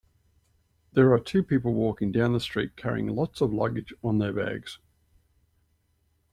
There are two people walking down the street carrying lots of luggage on their bags.